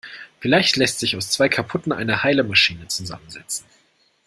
Vielleicht lässt sich aus zwei kaputten eine heile Maschine zusammensetzen.